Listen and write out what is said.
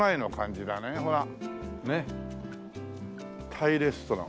タイレストラン。